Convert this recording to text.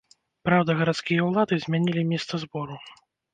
Праўда, гарадскія ўлады змянілі месца збору.